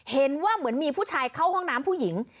เห็นว่าเหมือนมีผู้ชายเข้าห้องน้ำผู้หญิง